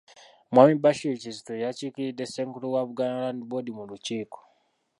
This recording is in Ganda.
Mwami Bashir Kizito y'eyakiikiridde Ssenkulu wa Buganda Land Board mu lukiiko.